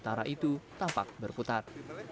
utara itu tampak berputar